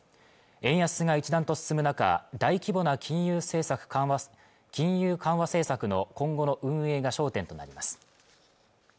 円安が一段と進む中大規模な金融緩和政策の今後の運営が焦点となります